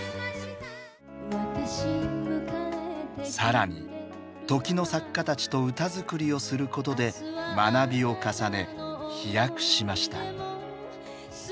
更に時の作家たちと歌作りをすることで学びを重ね飛躍しました。